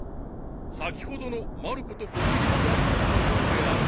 ［先ほどのまる子と小杉のやりとりのようである］